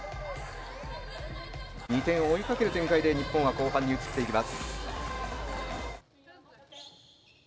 ２点を追いかける展開で日本は後半に移っていきます。